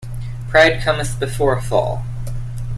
Pride cometh before a fall.